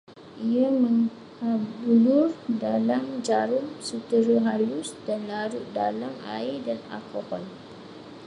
Ia menghablur dalam jarum sutera halus dan larut dalam air dan alkohol